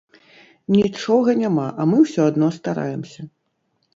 Нічога няма, а мы ўсё адно стараемся.